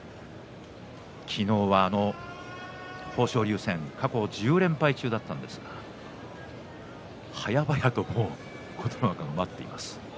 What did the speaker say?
昨日は豊昇龍戦過去１４連敗中でしたがはやばやと琴ノ若が待っています。